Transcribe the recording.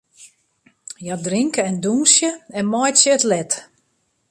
Hja drinke en dûnsje en meitsje it let.